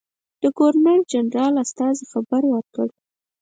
د ګورنرجنرال استازي خبر ورکړ.